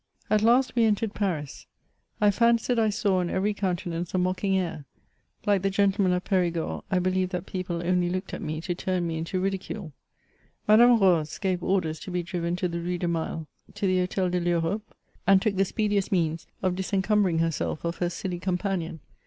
* At last we entered Ptais. I fancied I saw on every c6un tenance a mocking air; like the gentleman of Perigord, I believed that people only looked at me to turn me into ridicule. Madame Rose gave orders to be driven to the Rue de Mali, to the Hotel de TEurope, and took the speediest means of disencumbering herself of her silly companion.